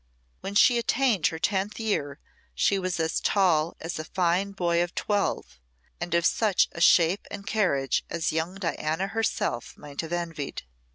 When she attained her tenth year she was as tall as a fine boy of twelve, and of such a shape and carriage as young Diana herself might have envied.